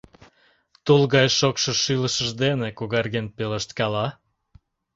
Тул гай шокшо шӱлышыж дене когартен пелешткала: